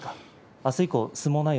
あす以降、相撲内容